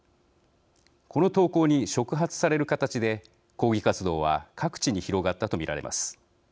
この投稿に触発される形で抗議活動は各地に広がったと見られます。